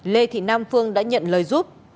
lê thị nam phương đã nhận lời giúp